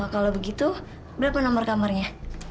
kalau begitu berapa nomor kamar kamarnya